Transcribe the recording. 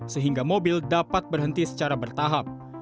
sehingga mobil dapat berhenti secara bertahap